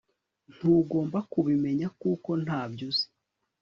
Ntugomba kubimenya kuko ntabyo uzi